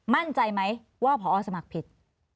มั่นใจไหมว่าพอสมัครผิด